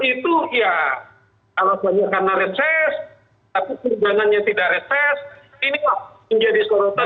tapi perjalanannya tidak reses